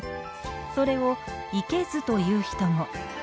それをいけずという人も。